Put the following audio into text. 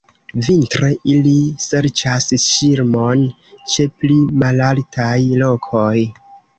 Vintre ili serĉas ŝirmon ĉe pli malaltaj lokoj.